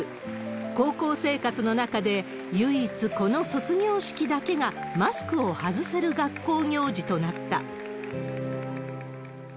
高校生活の中で、唯一この卒業式だけがマスクを外せる学校行事となった。